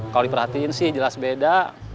kalau diperhatiin sih jelas beda